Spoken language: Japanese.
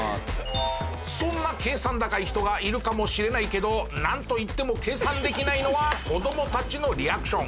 そんな計算高い人がいるかもしれないけどなんといっても計算できないのは子どもたちのリアクション。